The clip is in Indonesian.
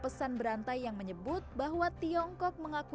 vaksin coronavac atau vaksin sinovac bio méth yang diberikan oleh s deuts